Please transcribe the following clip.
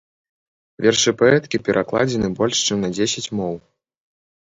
Вершы паэткі перакладзены больш чым на дзесяць моў.